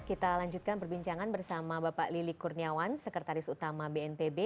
kita lanjutkan perbincangan bersama bapak lili kurniawan sekretaris utama bnpb